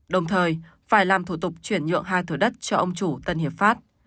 đồng thời phải làm thủ tục chuyển nhượng hai thửa đất cho ông chủ tân hiệp pháp